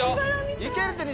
行けるって！